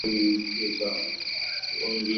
It's all about power and not principle.